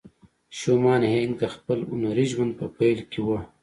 شومان هينک د خپل هنري ژوند په پيل کې وه.